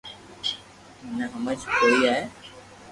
مني ھمج ڪوئي ّئي